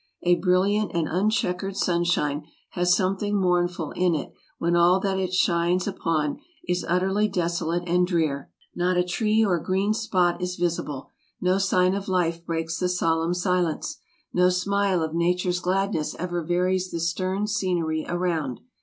A brilliant and uncheckered sun shine has something mournful in it when all that it shines upon is utterly desolate and drear. Not a tree or green spot is visible , no sign of life breaks the solemn silence ; no smile of nature's gladness ever varies the stern scenery around.